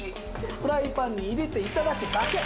フライパンに入れて頂くだけ。